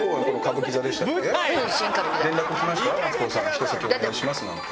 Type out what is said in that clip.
「１席お願いします」なんて。